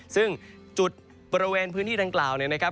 ซึ่งจุดบริเวณพื้นที่ดังกล่าวเนี่ยนะครับ